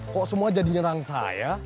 kok semua jadi nyerang saya